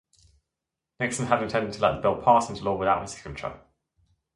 Nixon had intended to let the bill pass into law without his signature.